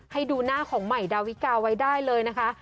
ให้ดูหน้าของใหม่ดาวิกาไว้ได้เลยนะคะ